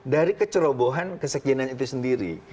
dari kecerobohan ke sekjenen itu sendiri